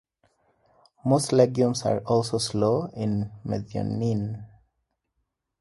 Most legumes are also low in methionine.